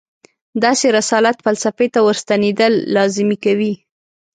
داسې رسالت فلسفې ته ورستنېدل لازمي کوي.